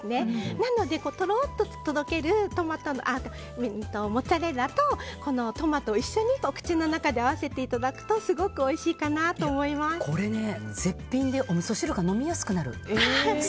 なので、とろっととろけるモッツァレラとトマトを一緒にお口の中で合わせていただくとこれ、絶品でおみそ汁が飲みやすくなる。